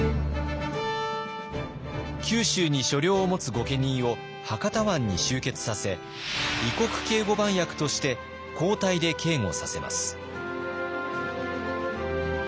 九州に所領を持つ御家人を博多湾に集結させ異国警固番役として交代で警固させます。